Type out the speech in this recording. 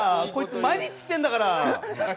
こいつ毎日来てるんだから！